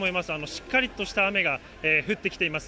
しっかりとした雨が降ってきています。